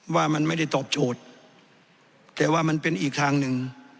ว่ามันไม่ได้ตอบโจทย์แต่ว่ามันเป็นอีกทางหนึ่ง